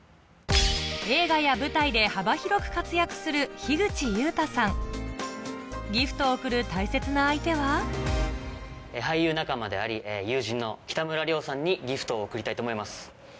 映画や舞台で幅広く活躍するギフトを贈る大切な相手は俳優仲間であり友人の北村諒さんにギフトを贈りたいと思います。